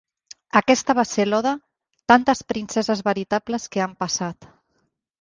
Aquesta va ser l'Oda "tantes princeses veritables que han passat".